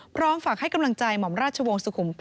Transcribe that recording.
พร้อมฝากให้กำลังใจหม่อมราชวงศ์สุขุม๙